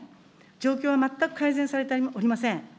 状況は全く改善されておりません。